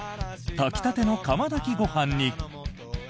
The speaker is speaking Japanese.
炊きたての釜炊きご飯に。